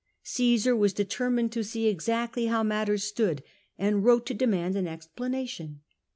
Caesar was determined to see exactly how mat ters stood, and wrote to demand an explanation.